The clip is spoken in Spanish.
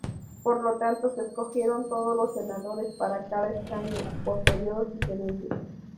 Por lo tanto se escogieron todos los senadores para cada escaño, por períodos diferentes.